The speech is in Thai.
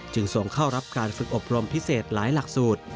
ส่งเข้ารับการฝึกอบรมพิเศษหลายหลักสูตร